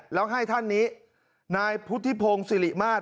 แล้วให้ท่านนี้นายพุทธิพงศ์สิริมาตร